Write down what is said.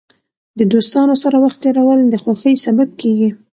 د دوستانو سره وخت تېرول د خوښۍ سبب کېږي.